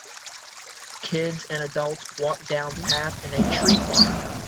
Kids and adults walk down path in a tree farm.